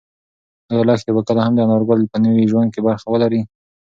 ایا لښتې به کله هم د انارګل په نوي ژوند کې برخه ولري؟